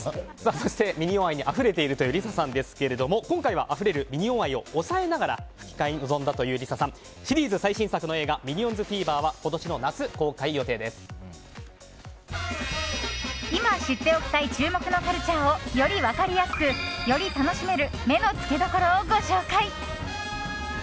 そして、ミニオン愛にあふれているというＬｉＳＡさんですが今回はあふれるミニオン愛を抑えながら吹き替えに臨んだというＬｉＳＡさんシリーズ最新作の「ミニオンズフィーバー」は今、知っておきたい注目のカルチャーをより分かりやすく、より楽しめる目のつけどころをご紹介。